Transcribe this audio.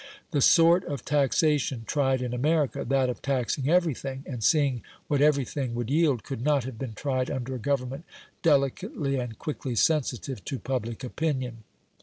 The sort of taxation tried in America, that of taxing everything, and seeing what every thing would yield, could not have been tried under a Government delicately and quickly sensitive to public opinion.